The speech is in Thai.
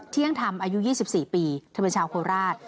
เที่ยงธรรมอายุ๒๔ปีเธอเป็นชาวโคราช